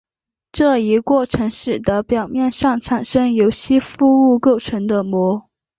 这一过程使得表面上产生由吸附物构成的膜。